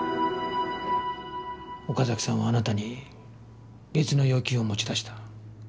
岡崎さんはあなたに別の要求を持ち出した。